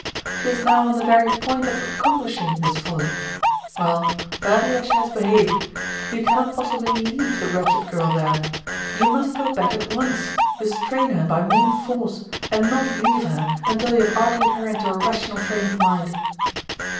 She is now on the very point of accomplishing this folly. Well, badly as she has behaved, you can not possibly leave the wretched girl there ! You must go back at once, restrain her by main force, and not leave her until you have argued her into a rational frame of mind."